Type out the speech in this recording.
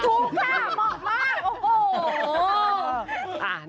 ถูกค่ะเหมาะมาก